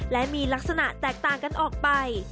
และมีลักษณะแตกต่างกันออกไป